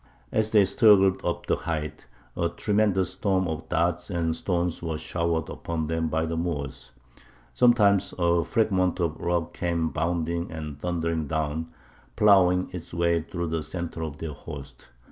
As they struggled up the height, a tremendous storm of darts and stones was showered upon them by the Moors. Sometimes a fragment of rock came bounding and thundering down, ploughing its way through the centre of their host.